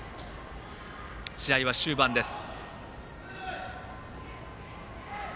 試合は終盤です。